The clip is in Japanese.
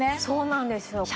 そうなんですよ。